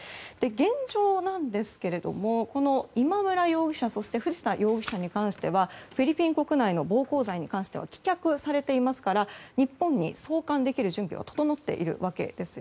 現状ですが、今村容疑者と藤田容疑者に関してはフィリピン国内の暴行罪に関しては棄却されていますから日本に送還できる準備が整っているわけです。